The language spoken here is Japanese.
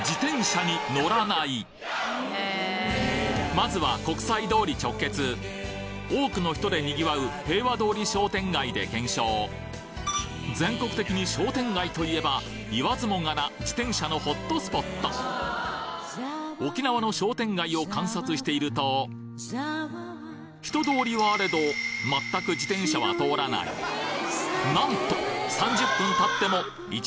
・まずは国際通り直結多くの人でにぎわう平和通り商店街で検証全国的に商店街といえばいわずもがな自転車のホットスポット沖縄の商店街を観察していると人通りはあれどなんと！